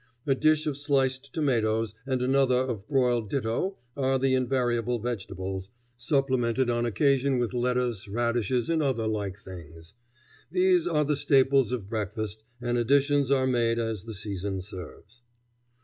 A dish of sliced tomatoes and another of broiled ditto are the invariable vegetables, supplemented on occasion with lettuce, radishes, and other like things. These are the staples of breakfast, and additions are made as the season serves.